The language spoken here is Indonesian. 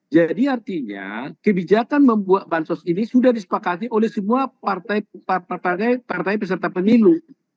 jadi artinya kebijakan membuat bansos ini sudah disepakati oleh semua partai partai beserta pemilu